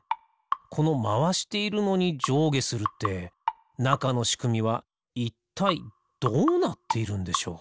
このまわしているのにじょうげするってなかのしくみはいったいどうなっているんでしょう？